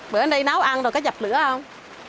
bữa nay nấu ăn rồi có dập lửa không